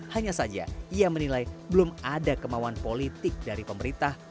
hanya saja ia menilai belum ada kemauan politik dari pemerintah